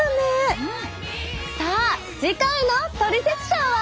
さあ次回の「トリセツショー」は？